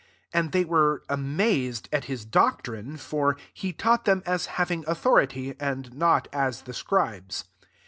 22 And they were amazed at his doc trine : for he taught them as having authority, and not as the scribes.